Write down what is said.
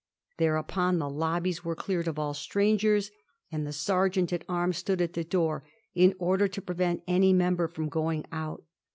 Thereupon the lobbies were cleared of all strangers, and the Sergeant at arms stood at the door in order to prevent any member firom going out.